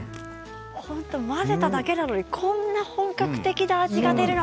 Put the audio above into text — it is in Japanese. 混ぜただけなのにこんなに本格的な味が出るの？